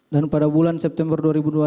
dan pada bulan september dua ribu dua puluh satu